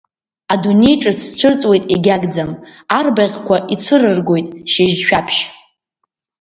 Адунеи ҿыц цәырҵуеит егьагӡам, Арбаӷьқәа ицәырыргоит шьыжь шәаԥшь.